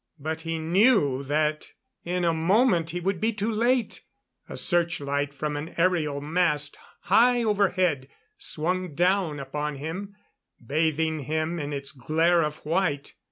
But he knew that in a moment he would be too late. A searchlight from an aerial mast high overhead swung down upon him, bathing him in its glare of white.